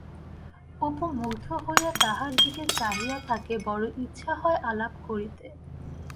অপু মুগ্ধ হইযা তাহার দিকে চাহিয়া থাকে-বড় ইচ্ছা হয় আলাপ কবিতে।